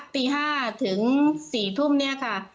ตี๕ถึง๔ทุ่มเนี่ยค่ะ